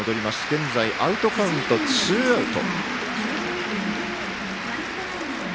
現在アウトカウント、ツーアウト。